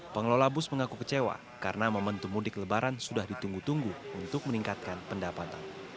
pengelola bus mengaku kecewa karena momentum mudik lebaran sudah ditunggu tunggu untuk meningkatkan pendapatan